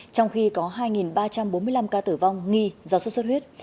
trong khi có hai ba trăm bốn mươi năm ca tử vong nghi do sốt xuất huyết